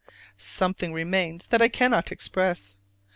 Something remains that I cannot express.